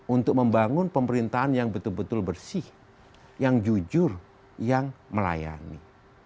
untuk membangun pemerintahan yang betul betul bersih yang jujur yang melayani